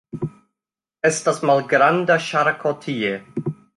Estas malgranda ŝarko tie.